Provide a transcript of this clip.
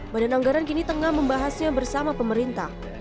badan anggaran kini tengah membahasnya bersama pemerintah